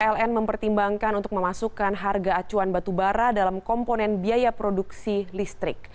ln mempertimbangkan untuk memasukkan harga acuan batubara dalam komponen biaya produksi listrik